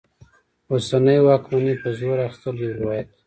اوسنۍ واکمنۍ په زور اخیستل یو روایت دی.